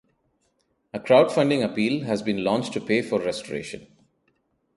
A crowdfunding appeal has been launched to pay for restoration.